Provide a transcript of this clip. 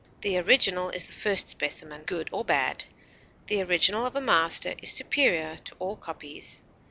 The original is the first specimen, good or bad; the original of a master is superior to all copies.